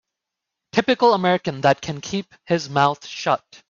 Typical American that can keep his mouth shut.